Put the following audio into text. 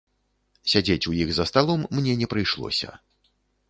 Сядзець у іх за сталом мне не прыйшлося.